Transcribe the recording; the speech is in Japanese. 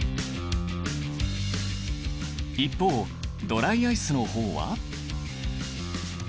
一方ドライアイスの方は。